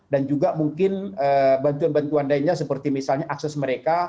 dan juga mungkin bantuan bantuan lainnya seperti misalnya akses mereka